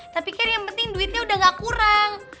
tapi kan yang penting duitnya udah gak kurang